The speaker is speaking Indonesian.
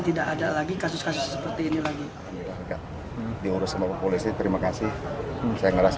tidak ada lagi kasus kasus seperti ini lagi diurus sama polisi terima kasih saya ngerasa